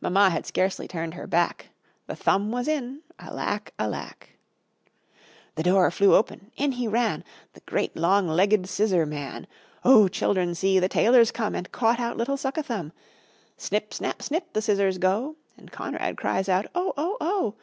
Mamma had scarcely turned her back, The thumb was in, Alack! Alack! The door flew open, in he ran, The great, long, red legged scissor man. Oh! children, see! the tailor's come And caught out little Suck a Thumb. Snip! Snap! Snip! the scissors go; And Conrad cries out "Oh! Oh! Oh!"